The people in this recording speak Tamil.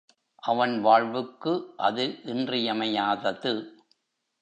அவன் வாழ்வுக்கு அது இன்றியமையாதது.